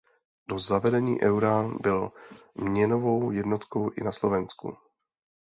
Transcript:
Do zavedení eura byl měnovou jednotkou i na Slovensku.